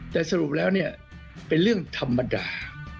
แต่สรุปแล้วเนี่ยเป็นเรื่องธรรมดา